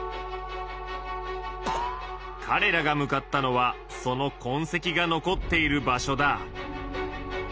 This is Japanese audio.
かれらが向かったのはそのこんせきが残っている場所だ。